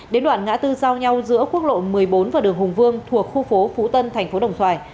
đến đoạn ngã tư giao nhau giữa quốc lộ một mươi bốn và đường hùng vương thuộc khu phố phú tân thành phố đồng xoài